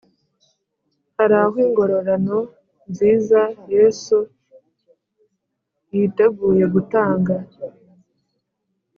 harihw ingororano nziza yesu yiteguye gutanga :